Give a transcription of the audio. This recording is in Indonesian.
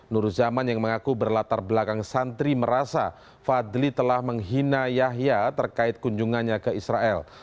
nur zaman yang mengaku berlatar belakang santri merasa fadli telah menghina yahya terkait kunjungannya ke israel